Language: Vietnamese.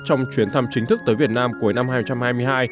trong chuyến thăm chính thức tới việt nam cuối năm hai nghìn hai mươi hai